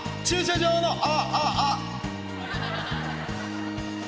「駐車場の」